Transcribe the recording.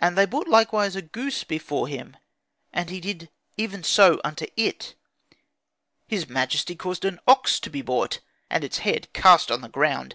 And they brought likewise a goose before him, and he did even so unto it. His majesty caused an ox to be brought, and its head cast on the ground.